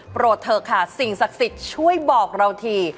เถอะค่ะสิ่งศักดิ์สิทธิ์ช่วยบอกเราที